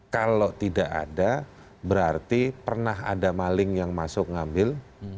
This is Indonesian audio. kalau tidak ada berarti pernah ada maling yang masuk ngambil